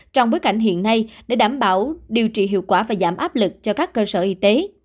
trong bối cảnh hiện nay để đảm bảo điều trị hiệu quả và giảm áp lực cho các cơ sở y tế